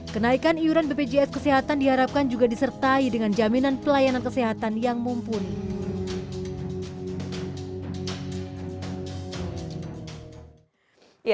kenaikan iuran bpjs kesehatan diharapkan juga disertai dengan jaminan pelayanan kesehatan yang mumpuni